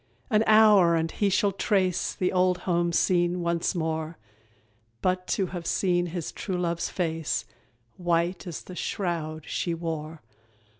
An hour! and he shall trace The old home seen once more; But to have seen his true love's face White as the shroud she wore!